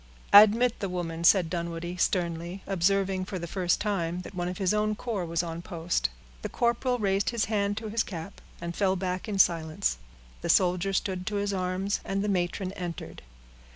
"Admit the woman," said Dunwoodie, sternly, observing, for the first time, that one of his own corps was on post. The corporal raised his hand to his cap, and fell back in silence; the soldier stood to his arms, and the matron entered.